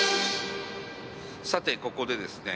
さて、ここでですね